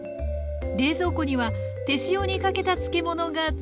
冷蔵庫には手塩にかけた漬物がずらり。